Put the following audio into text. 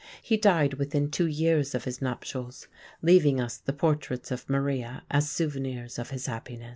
He died within two years of his nuptials, leaving us the portraits of Maria as souvenirs of his happiness.